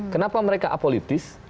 kenapa mereka apolitis